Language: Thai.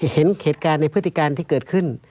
เห็นเหตุการณ์ในพฤติการที่เกิดขึ้น